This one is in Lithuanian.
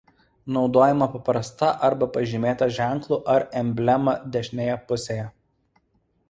Naudojama paprasta arba pažymėta ženklu ar emblema dešinėje pusėje.